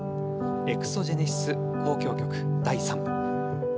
「エクソジェネシス交響曲第３部」。